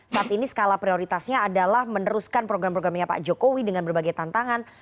saat ini skala prioritasnya adalah meneruskan program programnya pak jokowi dengan berbagai tantangan